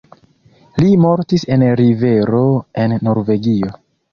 Li mortis en rivero en Norvegio.